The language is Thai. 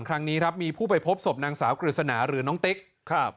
ครั้งนี้ครับมีผู้ไปพบศพนางสาวกฤษณาหรือน้องติ๊กครับ